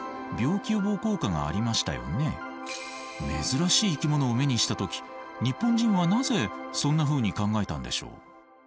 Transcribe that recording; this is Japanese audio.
珍しい生き物を目にした時日本人はなぜそんなふうに考えたんでしょう？